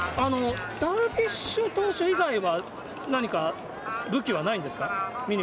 ダルビッシュ投手以外は何か、武器はないんですか？